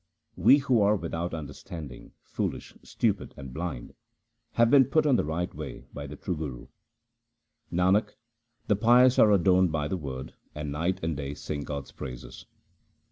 We who are without understanding, foolish, stupid, and blind, have been put on the right way by the true Guru. Nanak, the pious are adorned by the Word, and night and day sing God's praises.